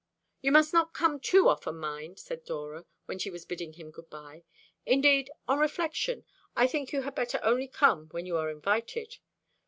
"You must not come too often, mind," said Dora, when she was bidding him good bye. "Indeed; on reflection, I think you had better only come when you are invited.